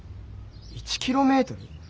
１キロメートル？